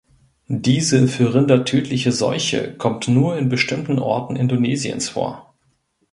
Diese für Rinder tödliche Seuche kommt nur in bestimmten Orten Indonesiens vor.